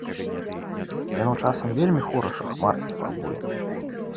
Яно часам вельмі хораша хмаркі фарбуе.